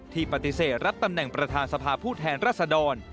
ปฏิเสธรับตำแหน่งประธานสภาผู้แทนรัศดร